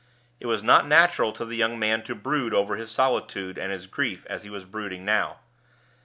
It was not natural to the young man to brood over his solitude and his grief as he was brooding now.